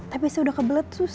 tapi saya sudah kebelet sus